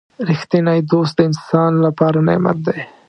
• رښتینی دوست د انسان لپاره نعمت دی.